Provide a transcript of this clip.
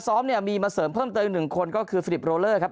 ซ้อมเนี่ยมีมาเสริมเพิ่มเติมอีก๑คนก็คือฟิลิปโรเลอร์ครับ